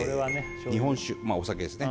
日本酒まあお酒ですね